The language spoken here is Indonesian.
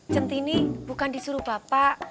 centini bukan disuruh bapak